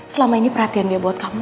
selama ini perhatian dia buat kamu